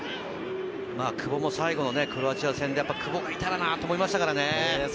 久保も最後のクロアチア戦でやっぱり久保がいたらなと思いましたからね。